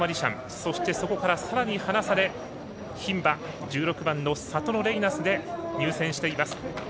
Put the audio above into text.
そして、そこから、さらに離され牝馬、１６番サトノレイナスで入線しています。